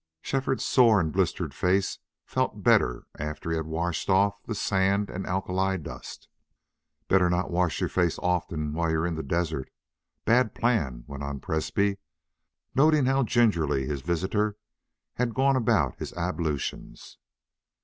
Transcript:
Shefford's sore and blistered face felt better after he had washed off the sand and alkali dust. "Better not wash your face often while you're in the desert. Bad plan," went on Presbrey, noting how gingerly his visitor had gone about his ablutions.